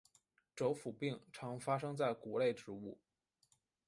轴腐病常发生在谷类植物。